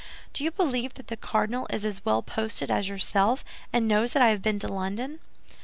"Do you believe that the cardinal is as well posted as yourself, and knows that I have been to London?"